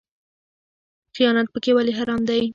خیانت پکې ولې حرام دی؟